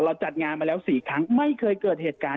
เราจัดงานมาแล้วสี่ครั้งไม่เคยเกิดเกิดเหตุการณ์